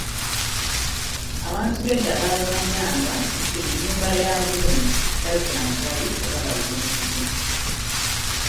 Abantu b'eda baabamanyanga nti ennyumba ya gundi bajjanjabi oba bayunzi.